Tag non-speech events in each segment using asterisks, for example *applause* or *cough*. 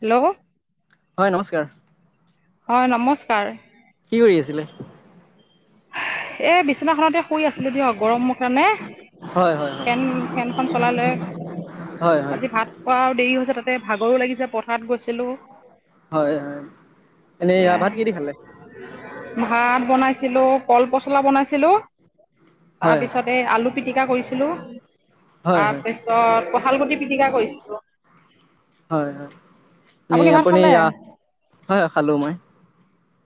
Hello হয় নমস্কাৰ। হয় নমস্কাৰ। কি কৰি আছিলে? এ বিচনাখনতে শুই আছিলো দিয়ক গৰমৰ কাৰণে। হয় হয় হয় ফেন-ফেনখন চলাই লৈ, হয় হয় আজি ভাত খোৱাও দেৰি হৈছে তাত তাতে ভাগৰো লাগিছে পথাৰত গৈছিলো। হয় হয়, এনেই ভাত কিহেদি খালে? ভাত বনাইছিলো কল পচলা বনাইছিলো, হয় তাৰপিছত এই আলু পিটিকা কৰিছিলো, হয় হয় তাৰপিছত কঠালগুটি পিটিকা কৰিছিলো। হয় হয়, আপুনি-আপুনি, খালে হয় খালো মই।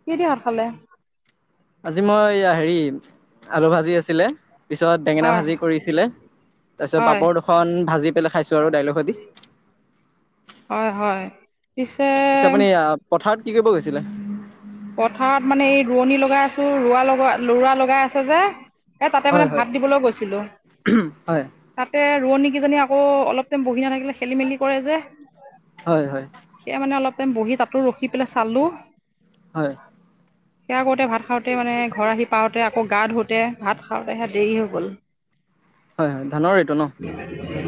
কিহেদি ভাত খালে? আজি মই হেৰি, আলু ভাজি আছিলে। পিছত বেঙেনা হয় ভাজি কৰিছিলে, তাৰপিছত হয় পাপৰ দুখন ভাজি পেলাই খাইছো। আৰু ডাইলৰ সতি। হয় হয় পিছে আপুনি পথাৰত কি কৰিব গৈছিলে? পথাৰত মানে এই ৰোৱনী লগাই আছো, ৰোৱা লগা-ৰুৱা লগাই আছে যে এ তাতে হয় মানে হয় ভাত দিবলৈ গৈছিলো, হয় তাতে ৰোৱনী কেইজনী আকৌ অলপ টাইম বহি নাথাকিলে খেলি মেলি কৰে যে। হয় হয়। সেয়া মানে অলপ বহি তাতো ৰখি পেলাই চালো। হয় সেয়া কৰোতে, ভাত খাওঁতে মানে, ঘৰ আহি পাওঁতে আকৌ গা ধুওঁতে, ভাত খাওঁতে, সেয়া দেৰি হৈ গল। হয় হয়, ধানৰেটো ন?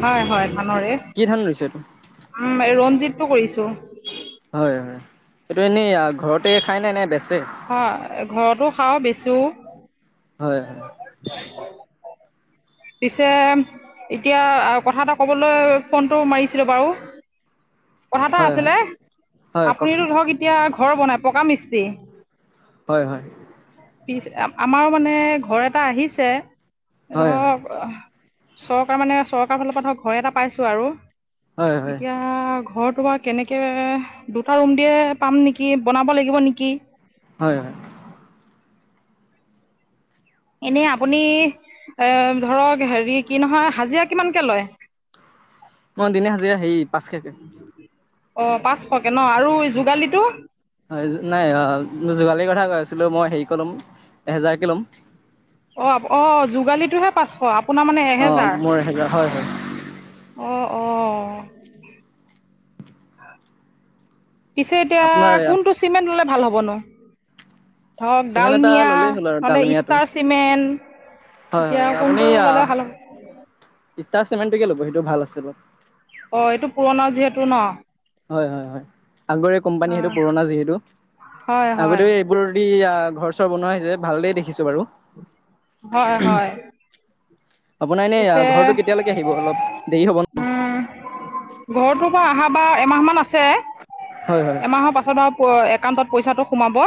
হয় হয়, ধানৰে, কি ধান ৰুইছে এইটো উম, ৰঞ্জিতটো কৰিছো। হয় হয়, এইটো এনেই ঘৰতে খাই নে, নে বেচে? হয় ঘৰতো খাওঁ বেছোও। হয় হয়। পিছে এতিয়া কথা এটা ক'বলৈ ফোনটো মাৰিছিলো বাৰু। কথা এটা হয় হয় আছিলে, হয় আপুনিটো কওকচোন ধৰক এতিয়া ঘৰ বনাই, পকা মিস্ত্ৰী হয় হয় পিছ-আমাৰো মানে ঘৰ এটা আহিছে হয় হয় ধৰক, চৰকাৰ মানে চৰকাৰৰ ফালৰ পৰা ধৰক ঘৰ এটা পাইছো আৰু। হয় হয় এতিয়া ঘৰটো বা কেনেকে দুটা ৰুম দিয়ে পাম নেকি, বনাব লাগিব নেকি হয় হয়। এনেই আপুনি এ ধৰক, হেৰি কি নহয় হাজিৰা কিমানকে লয়? মই দিনে হাজিৰা হেৰি পাঁচশকে। অ', পাঁচশকে ন, আৰু যোগালীটো? নাই, অ', মই যোগালিৰ কথা কৈ আছিলো, মই হেৰিকে ল'ম, এহেজাৰকে ল'ম। অ' আপ-অ' যোগালীটোহে পাঁচশ, আপ পোনাৰ মানে অঁ এহেজাৰ, মোৰ এহেজাৰ হয় হয় অ' অ'। পিছে এতিয়া আপোনাৰ কোনটো চিমেণ্ট ল'লে ভাল হ'ব নো? ধৰক চিমেণ্ট এটা ডালমিয়া, ল'লেই হ'ল আৰু নহ'লে ডালমিয়াটো ইষ্টাৰ চিমেণ্ট হয় এতিয়া হয়, আপুনি কোনটো ল'লে ভাল হ'ব ইষ্টাৰ চিমেণ্টটোকে ল'ব, সেইটো ভাল আছিলে। অ', এইটো পুৰণাও যিহেতু ন? হয় হয় হয় আগৰে কোম্পানী সেইটো অঁ পুৰণা যিহেতু হয় হয় আগতে এইবোৰ দি অ। ঘৰ চৰ বনোৱা হৈছে ভালেই দেখিছো বাৰু। হয় হয়। আপোনাৰ এনেই পিছে ঘৰটো কেতিয়ালৈকে আহিব অলপ দেৰি হ'ব ন উম ঘৰতো। অ আহাবাৰ এমাহমান আছে হয় হয় এমাহৰ পাছত আৰু প। একাউণ্টত পইচাটো সোমাব।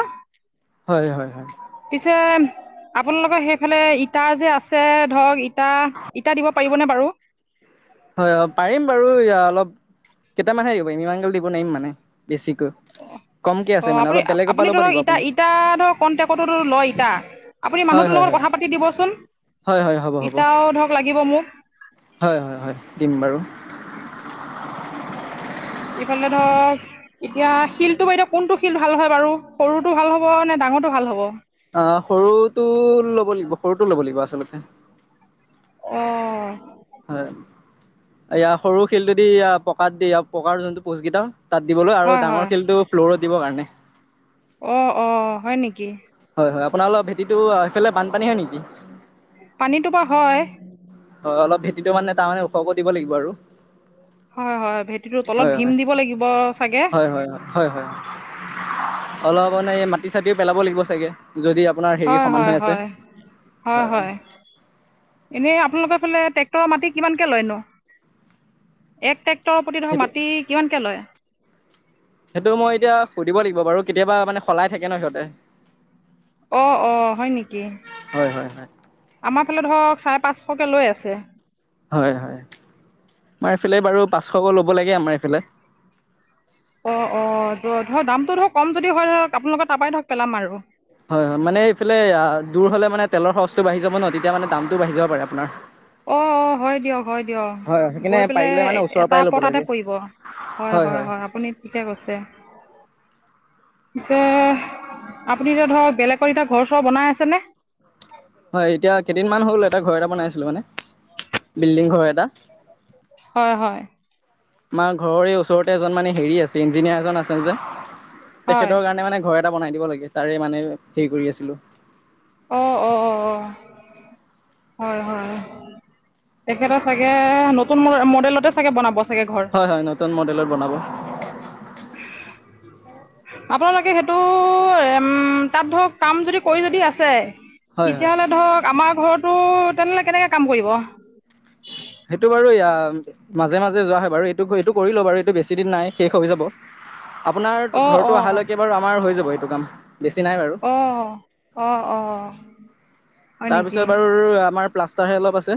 হয় হয় হয়। পিছে আপোনালোকৰ সেইফালে ইটা যে আছে ধৰক ইটা। ইটা দিব পাৰিবনে বাৰু হয় অ পাৰিম বাৰু অলপ। কেইটামানহে দিব পাৰিম ইমানগাল দিব নোৱাৰিম মানে বেছিকৈ। কমকে অ আছে মানে আপুনি অলপ বেলেগৰ পৰা আপুনি ল'ব ধৰক লাগিব ইটা আপুনি ইটা ধৰক কণ্টেক্টটো লয় ইটা। আপুনি হয় মানুহটোৰ হয় লগত হয় কথা পাতি দিবচোন হয় হয় হ'ব হ'ব ইটাও ধৰক লাগিব মোক। হয় হয় হয় দিম বাৰু। ইফালে ধৰক এতিয়া শিলটো বাইদেউ কোনটো শিল ভাল হয় বাৰু সৰুটো ভাল হব নে ডাঙ। ডাঙৰটো ভাল হ'ব। অ সৰুটো ল'ব লাগিব সৰুটো ল'ব লাগিব আচলতে অ। হয় ইয়াৰ সৰু শিলটোদি পকাত দিয়া পকাৰ যোনটো পোজ কেইটা। তাত দিবলৈ আৰু হয় ডাঙৰ শিলটো ফ্ল'ৰত দিবৰ কাৰণে। অ অ হয় নেকি। হয় হয় আপোনাৰ অলপ ভেটিটো আহ সেইফালে বানপানী হয় নেকি। পানীটো বা হয়। হয় অলপ ভেটিটো মানে তাৰমানে ওখকৈ দিব লাগিব আৰু। হয় হয় ভেটিটো তলত হয় ভীম হয় হয় দিব লাগিব চাগে। হয় হয় হয় হয় অলপ মানে এই মাটি চাটিও পেলাব লাগিব চাগে। যদি আপোনাৰ হেৰি হয় সমান হয় হৈ আছে হয় হয়। এনেই আপোনালোকৰ ফালে। ট্ৰেক্টৰৰ মাটি কিমানকৈ লয় নু এক ট্ৰেক্টৰৰ প্ৰতি ধৰক সেইটো মাটি কিমানকৈ লয়। সেইটো মই এতিয়া সুধিব লাগিব বাৰু কেতিয়াবা মানে সলাই থাকে নহ সিহঁতে। অ অ হয় নেকি হয় হয় হয় আমাৰ। এইফালে ধৰক চাৰে পাঁচশকে লৈ আছে। হয় হয় আমাৰ এইফালে বাৰু পাঁচশকৈ ল'ব লাগে আমাৰ এইফালে। অ অ ধৰ দামটো ধৰ কম যদি হয় ধৰক আপোনালোকৰ তাৰপৰাই ধৰক পেলাম আৰু। হয় হয় মানে এইফালে দূৰ হলে মানে তেলৰ খৰচটো বাঢ়ি যাব নহ তেতিয়া মানে দামটো বাঢ়ি যাব পাৰে আপোনাৰ। অ অ হয় দিয়ক হয় দিয়ক হয় সেইকাৰণে গৈ পেলাই পাৰিলে মানে ওচৰৰ এটা পৰাই ল'ব পটাতে লাগে পৰিব। হয় হয় হয় আপুনি ঠিকে কৈছে। পিছে আপুনি এতিয়া ধৰক বেলেগৰ এতিয়া ঘৰ চৰ বনাই আছেনে। হয় এতিয়া কেইদিন মান হ'ল এটা ঘৰ এটা বনাইছিলো মানে বিল্ডিং ঘৰ এটা। হয় হয়। আমাৰ ঘৰৰে ওচৰতে এজন মানে হেৰি আছে ইঞ্জিনিয়াৰ এজন আছে যে। হয় তেখেতৰ কাৰণে মানে ঘৰ এটা বনাই দিব লাগে তাৰে মানে। হে কৰি আছিলো। *inaudible* অঁ অঁ অঁ অঁ হয় হয়। তেখেতে চাগে নতুন মডেলতে চাগে বনাব। চাগে ঘৰ হয় হয় নতুন মডেলত বনাব। আপোনালোকে সেইটো উম তাত ধৰক কাম যদি কৰি যদি আছে। হয় হয় তেতিয়া হলে ধৰক আমাৰ ঘৰতো তেনেহ'লে কেনেকে কাম কৰিব। সেইটো বাৰু এয়া মাজে মাজে যোৱা হয় বাৰু এইটো এইটো কৰিলো বাৰু এইটো বেছি দিন নাই শেষ হৈ যাব। আপোনাৰ অঁ ঘৰটো অঁ আহালৈকে বাৰু আমাৰ হৈ যাব এইটো কাম। বেছি নাই বাৰু। অ অ অ। তাৰপিছত বাৰু আমাৰ প্লাষ্টাৰহে অলপ আছে।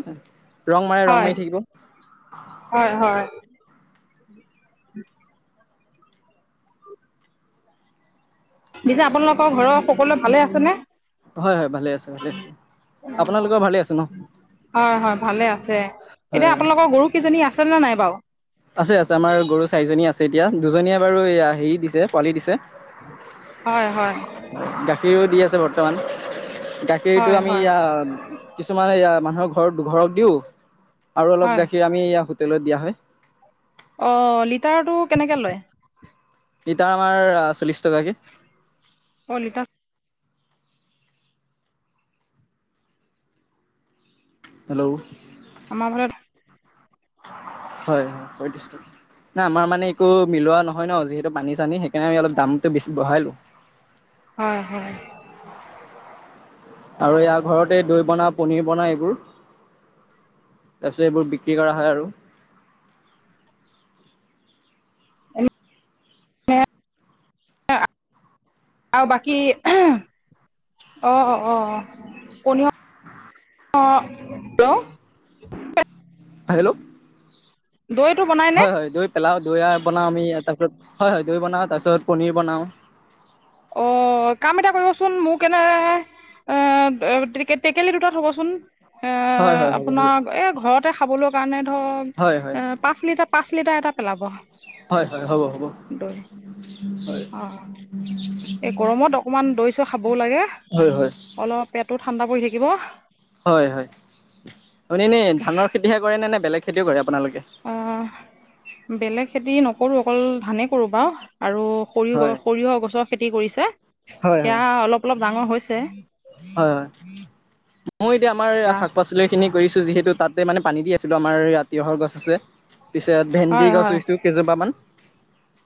ৰং মাৰে ৰং হয়, মাৰি থাকিব। হয়, হয়। *inaudible* পিছে আপোনালোকৰ ঘৰৰ সকলোৱে ভালে আছে নে। হয়-হয় ভালে আছে, ভালে আছে, আপোনালোকৰ ভালে আছে ন। হয়-হয় ভালে আছে হয় এতিয়া আপোনালোকৰ গৰুকেইজনী আছে নে নাই বাৰু। আছে-আছে আমাৰ গৰু চাৰিজনী আছে এতিয়া দুজনীয়ে বাৰু এয়া হেৰি দিছে পোৱালি দিছে। হয়-হয়। গাখীৰো দি আছে বৰ্তমান গাখীৰটো হয়, আমি হয়, এয়া কিছুমান। মানুহৰ ঘৰত দুঘৰত দিও আৰু অলপ হয়। গাখীৰ আমি হোটেলত দিয়া হয়। অ' লিটাৰটো কেনেকে লয়। লিটাৰ আমাৰ আ চল্লিছ টকাকে। অ‌' লিটাৰ হেল্ল' আমাৰ ঘৰত *inaudible* হয়-হয় দিছে। না আমাৰ মানে একো মিলোৱা নহয় ন যিহেতু পানী চানী সেইকাৰণে আমি অলপ দামটো বেছি বঢ়াই লও। হয়-হয়। আৰু ইয়াৰ ঘৰতে দৈ বনাও পনিৰ বনাও এইবোৰ। তাৰপিছত এইবোৰ বিক্ৰী কৰা হয় আৰু। ম *unintelligible* আৰু বাকী অ-অ-অ-অ পনি *inaudible* অ' হেল্ল', হেল্ল' দৈটো বনাইনে? হয়-হয় দৈ পেলাও দৈ বনাও আমি তাৰ পিছত, হয়-হয় দৈ বনাও তাৰ পিছত পনিৰ বনাও। অ', অ' কাম এটা কৰিবচোন মোক এনে এ-এ টেকেলি দুটাত থ'বচোন। এ হয় হয় হ'ব হ'ব আপোনাৰ এ ঘৰতে খাবলৈ কাৰণে হয় ধৰক হয় এ পাঁচ লিটাৰ। পাঁচ লিটাৰ এটা পেলাব। হয়-হয়, হ'ব-হ'ব। দৈ অ' এই গৰমত অকমান দৈ ছৈ খাবও লাগে হয় হয় অলপ পেটত। ঠাণ্ডা পৰি থাকিব। হয়-হয় আপুনি এনে ধানৰ খেতিহে কৰে নে নে বেলেগ খেতিও কৰে আপোনালোকে। অ', বেলেগ খেতি নকৰো অকল ধানে কৰো বাৰু আৰু হয়, সৰিয়হ-সৰিয়হ গছৰ খেতি। হয়, হয়। সেয়া অলপ অলপ ডাঙৰ হৈছে। হয় মোৰ এতিয়া আমাৰ হয় শাক পাচলি খিনি। কৰিছো যিহেতু তাতে মানে পানী দিছিলো আমাৰ। তিয়হৰ গছ আছে পিছত ভেন্দি গছ হয় ৰুইছোঁ কেইজোপামান।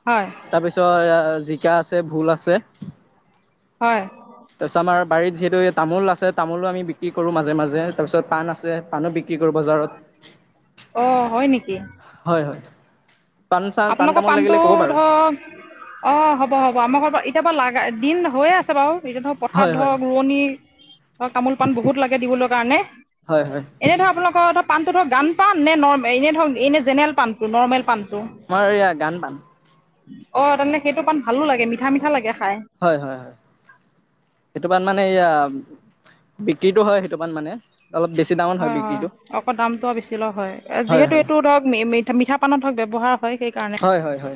হয় তাৰপিছত জিকা আছে ভুল আছে হয় তাৰপিছত আমাৰ বাৰীত। তামোল আছে তামোলো আমি বিক্ৰী কৰো মাজে মাজে তাৰ পিছত পাণ আছে পাণো বিক্ৰী। বিক্ৰী কৰোঁ বজাৰত। অ' হয় নেকি? হয়, হয়। পাণ চান পাণ আপোনালোকৰ তামোল পাণটো লাগিলে ক'ব বাৰু। ধৰক, অ' হ'ব-হ'ব আমাৰ ঘৰ পৰা এতিয়া পৰা লাগা দিন হৈ আছে। বাৰু এতিয়া ধৰক পথাৰ হয়, হয়, ধৰক ৰোৱনী ধৰ তামোল পাণ বহুত লাগে দিবলৈ কাৰণে। হয়, হয়। এনে ধৰ আপোনালোকৰ পান। এইটো ধৰ গান্ধ পান নে নৰ্মে এনে ধৰক এনে জেনেৰেল পাণটো নৰ্মেল পাণটো আমাৰ এইয়া গান পান অ' তেনে হ'লে সেইটো পাণ ভালোঁ লাগে মিঠা মিঠা লাগে। খাই হয়, হয়, হয় সেইটো পাণ মানে এইয়া বিক্ৰীটো হয় সেইটো পান মানে অলপ বেছি দামত হয় হয় বিক্ৰীটো। আকৌ দামটো আৰু বেছি লোৱা হয় হয় যিহেতু হয় এইটো ধৰক মিঠা মিঠা পানত ধৰক ব্যৱহাৰ হয় সেইকাৰণে। হয় হয় হয়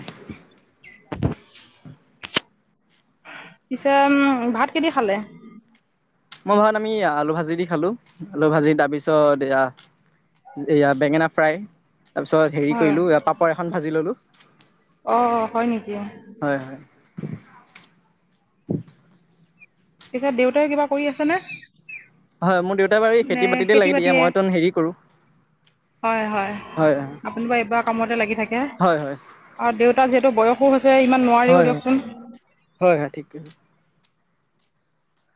পিছে উ ভাত কিদি খালে। মই ভাত আমি আলু ভাজি দি খালো আলু ভাজি তাৰপিছত এয়া এয়া বেঙেনা ফ্ৰাই, তাৰপিছত হেৰি হয় কৰিলো পাপৰ এখন ভাজি ললো অঁ হয় নেকি হয়। পিছত দেউতাই কিবা কৰি আছে হয় মোৰ দেউতাই বাৰু এই নে বাতিতে লাগি খেতি দিয়ে বাতিয়ে মইতো হেৰি কৰো হয় হয় আপুনি বা এইবাৰ কামতে লাগি থাকে। হয় হয় আৰু দেউতা যিহেতু বয়সো হৈছে ইমান নোৱাৰিও হয় হয় দিয়কচোন। হয় হয় ঠিক,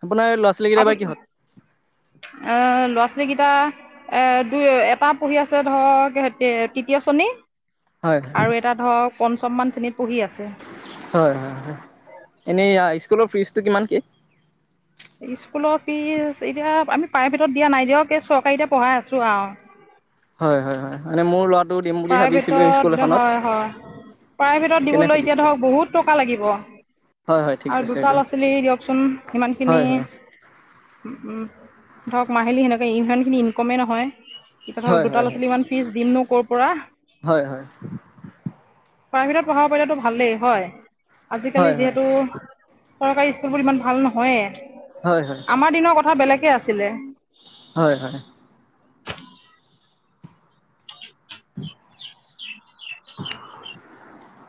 আপোনাৰ ল'ৰা ছোৱালী কেইটা আপু এইবাৰ কিহত অহ লৰা ছোৱালীকেইটা, এ দুই এটা পঢ়ি আছে ধৰক তৃতীয় শ্ৰেণী, হয় আৰু এটা ধৰক পঞ্চম মান শ্ৰেণী, হয় হয় হয় এনেই স্কুলৰ ফিজটো কিমান কে, স্কুলৰ ফিজ এতিয়া আমি প্ৰাইভেটত দিয়া নাই দিয়ক চৰকাৰীতে পঢ়াই আছো আৰু হয় হয় হয় মানে মোৰ ল'ৰা প্ৰাইভেটত হয় হয়। প্ৰাইভেটত সেইকাৰণে দিবলৈ এতিয়া সুধিছিলো ধৰক বহুত টকা লাগিব। হয় হয় ঠিক আৰু কৈছে দুটা এইটো ল'ৰা ছোৱালী দিয়কচোন ইমান খিনি হয় হয় উ ধৰক মাহিলী সেনেকে ইমান খিনি ইনকামে নহয়। যিয়ে ধৰক হয় দুটা হয় লৰা ছোৱালী ইমাখিনি দিম নো ক হয় হয়। প্ৰাইভেটত পঢ়া পাৰলেো ভালেই হয় আজিকালি হয় হয় যিহেতু চৰকাৰী স্কুলবোৰ ইমান ভাল হয় হয় নহয়েই আমাৰ দিনৰ কথা বেলেগে আছিলে হয় হয় উম *unintelligible* *unintelligible*